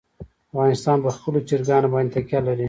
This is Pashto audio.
افغانستان په خپلو چرګانو باندې تکیه لري.